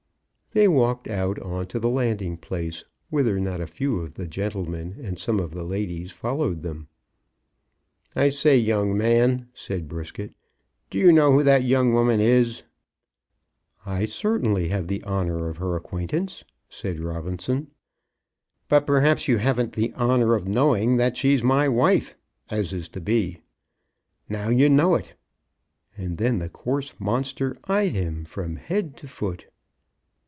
They walked out on to the landing place, whither not a few of the gentlemen and some of the ladies followed them. "I say, young man," said Brisket, "do you know who that young woman is?" "I certainly have the honour of her acquaintance," said Robinson. "But perhaps you haven't the honour of knowing that she's my wife, as is to be. Now you know it." And then the coarse monster eyed him from head to foot.